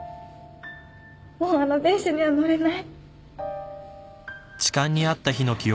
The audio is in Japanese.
もうあの電車には乗れない。